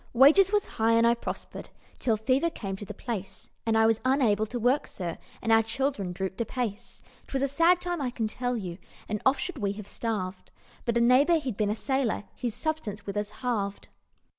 "Wages was high, and I prospered, Till fever came to the place, And I was unable to work, sir, And our children drooped apace. 'Twas a sad time, I can tell you, And oft should we have starved, But a neighbour he'd been a sailor His substance with us halved.